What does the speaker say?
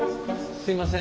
すいません。